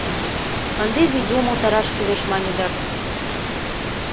Ынде Вийду умылтараш кӱлеш мане дыр: